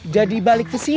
jadi balik kesini